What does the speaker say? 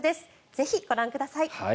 ぜひご覧ください。